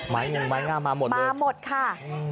ไม้งงไม้งามาหมดเลยอืมอืมมาหมดค่ะ